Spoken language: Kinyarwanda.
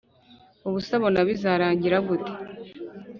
ubuse abona bizarangira gute